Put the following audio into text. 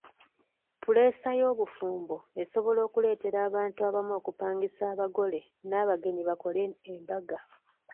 Puleesa y'obufumbo esobola okuleetera abantu abamu okupangisa abagole n'abagenyi bakole embaga.